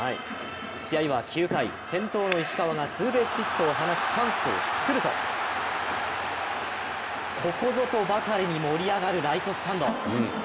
試合は９回先頭の石川がツーベースヒットを放ちチャンスを作るとここぞとばかりに盛り上がるライトスタンド。